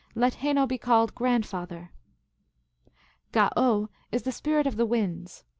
Let Heno be called Grandfather. "Ga oh is the Spirit of the Winds.